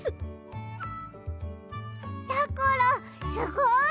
やころすごい！